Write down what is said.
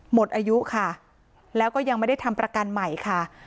หมดอายุค่ะแล้วก็ยังไม่ได้ทำประกันใหม่ค่ะ